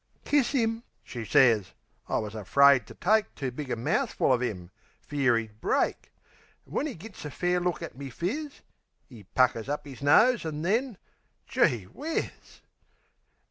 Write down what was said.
"' "Kiss 'im," she sez. I was afraid to take Too big a mouthful of 'im, fear 'e'd break. An' when 'e gits a fair look at me phiz 'E puckers up 'is nose, an' then Geewhizz!